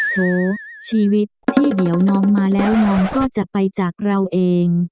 โหชีวิตที่เดี๋ยวน้องมาแล้วน้องก็จะไปจากเราเอง